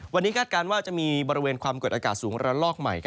วันนี้คาดการณ์ว่าจะมีบริเวณความกดอากาศสูงระลอกใหม่